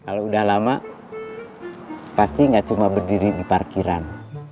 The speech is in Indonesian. kalau udah lama pasti nggak cuma berdiri di parkiran